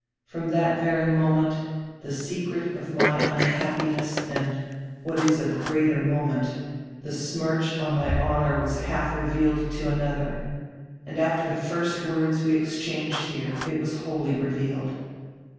From that very moment die secret of my unhappiness and, what is of greater moment, die smirch on my honor was half revealed to another, and after die first words we exchanged here it was wholly revealed.